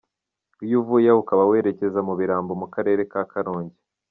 Iyo uvuye aho ukaba werekeza mu Birambo mu Karere ka karongi.